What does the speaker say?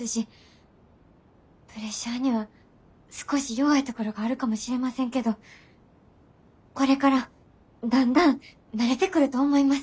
プレッシャーには少し弱いところがあるかもしれませんけどこれからだんだん慣れてくると思います。